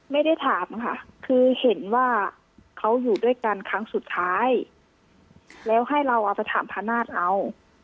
ไม่ได้ถามค่ะคือเห็นว่าเขาอยู่ด้วยกันครั้งสุดท้ายแล้วให้เราเอาไปถามพระนาฏเอา